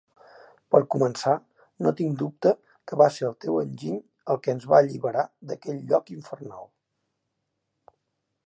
Per començar, no tinc dubte que va ser el teu enginy el que ens va alliberar d'aquell lloc infernal.